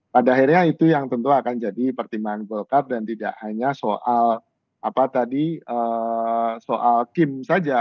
pada akhirnya itu yang tentu akan jadi pertimbangan golkar dan tidak hanya soal apa tadi soal kim saja